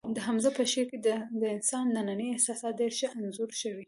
د حمزه په شعر کې د انسان ننني احساسات ډېر ښه انځور شوي